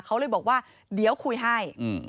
เขาเลยบอกว่าเดี๋ยวคุยให้